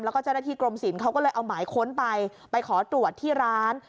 แล้วก็เจ้าหน้าที่กรมศิลป์เขาก็เลยเอาหมายค้นไปไปขอตรวจที่ร้าน